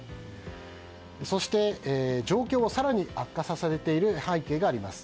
そして、状況を更に悪化させている背景があります。